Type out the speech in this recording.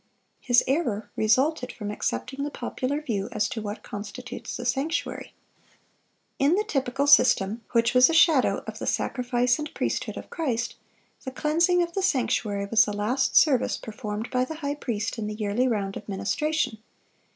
His error resulted from accepting the popular view as to what constitutes the sanctuary. In the typical system, which was a shadow of the sacrifice and priesthood of Christ, the cleansing of the sanctuary was the last service performed by the high priest in the yearly round of ministration.